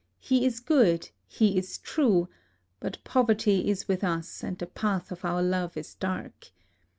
He is good ; he is true; but poverty is with us, and the path of our love is dark.